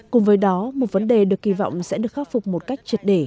cùng với đó một vấn đề được kỳ vọng sẽ được khắc phục một cách triệt để